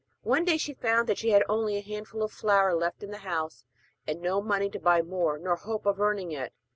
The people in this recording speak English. One day she found that she had only a handful of flour left in the house, and no money to buy more nor hope of earning it.